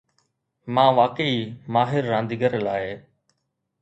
مان واقعي ماهر رانديگر لاءِ